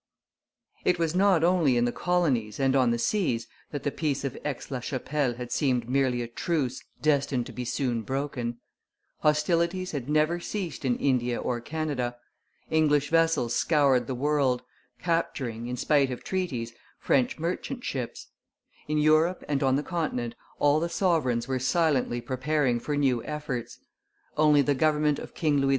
It was not only in the colonies and on the seas that the peace of Aix la Chapelle had seemed merely a truce destined to be soon broken; hostilities had never ceased in India or Canada; English vessels scoured the world, capturing, in spite of treaties, French merchant ships; in Europe and on the continent, all the sovereigns were silently preparing for new efforts; only the government of King Louis XV.